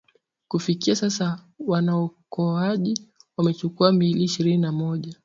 kufikia sasa waokoaji wamechukua miili ishirini na moja